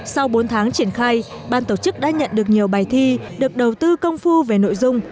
sau bốn tháng triển khai ban tổ chức đã nhận được nhiều bài thi được đầu tư công phu về nội dung